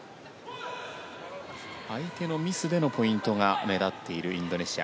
相手のミスでのポイントが目立っているインドネシア。